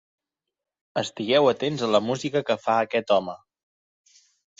Estigueu atents a la música que fa aquest home'.